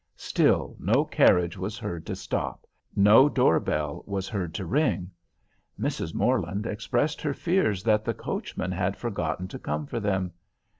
Still no carriage was heard to stop; no doorbell was heard to ring. Mrs. Morland expressed her fears that the coachman had forgotten to come for them.